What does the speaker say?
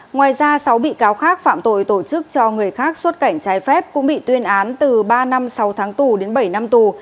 ngoài ra sáu bị cáo khác phạm tội tổ chức cho người khác xuất cảnh trái phép cũng bị tuyên án từ ba năm sáu tháng tù đến bảy năm tù